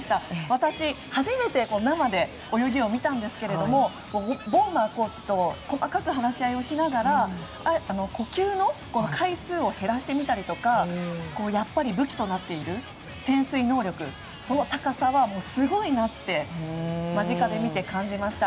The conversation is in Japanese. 私、初めて生で泳ぎを見たんですけどもボウマンコーチと細かく話し合いながら呼吸の回数を減らしてみたりとかやっぱり武器となっている潜水能力その高さはすごいなと間近で見て感じました。